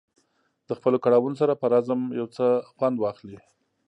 د خپلو کړاوونو سره په رزم یو څه خوند واخلي.